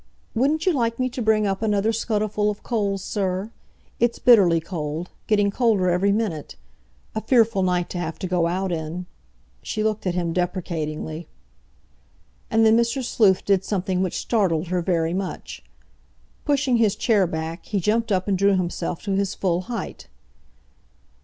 "Wouldn't you like me to bring up another scuttleful of coals, sir? it's bitterly cold—getting colder every minute. A fearful night to have to go out in—" she looked at him deprecatingly. And then Mr. Sleuth did something which startled her very much. Pushing his chair back, he jumped up and drew himself to his full height.